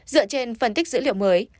dựa trên phân tích dữ liệu mới